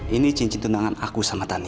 ini cincin undangan aku sama tania